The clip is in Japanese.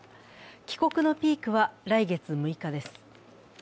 帰国のピークは来月６日です。